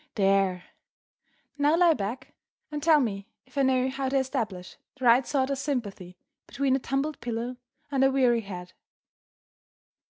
There! Now lie back and tell me if I know how to establish the right sort of sympathy between a tumbled pillow and a weary head."